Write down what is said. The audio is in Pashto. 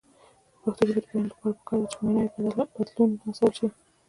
د پښتو ژبې د بډاینې لپاره پکار ده چې معنايي بدلون هڅول شي.